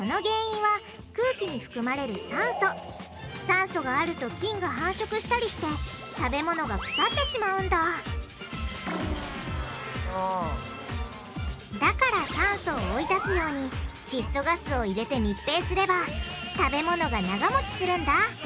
酸素があると菌が繁殖したりして食べ物が腐ってしまうんだだから酸素を追い出すようにちっ素ガスを入れて密閉すれば食べ物が長もちするんだ。